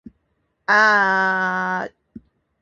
墨で表現したものが生き生きしているさま。墨の跡がみずみずしいさま。